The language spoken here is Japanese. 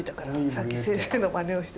さっき先生のまねをして。